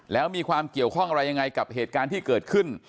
แล้วมีความเกี่ยวข้องอะไรยังไงกับเหตุการณ์ที่เกิดขึ้น